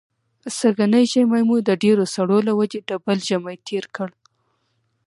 سږنی ژمی مو د ډېرو سړو له وجې ډبل ژمی تېر کړ.